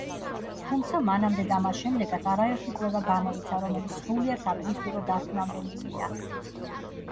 თუმცა, მანამდე და მას შემდეგაც არაერთი კვლევა გამოიცა, რომელიც სრულიად საპირისპირო დასკვნამდე მივიდა.